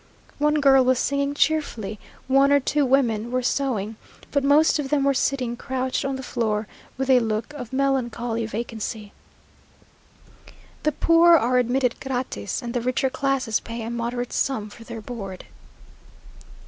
One girl was singing cheerfully one or two women were sewing, but most of them were sitting crouched on the floor, with a look of melancholy vacancy. The poor are admitted gratis, and the richer classes pay a moderate sum for their board....